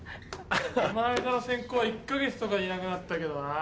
前の先公１か月とかでいなくなったけどな。